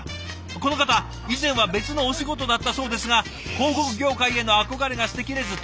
この方以前は別のお仕事だったそうですが広告業界への憧れが捨てきれず転職。